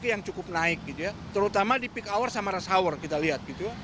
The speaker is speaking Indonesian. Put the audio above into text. tapi yang cukup naik terutama di peak hour sama rush hour kita lihat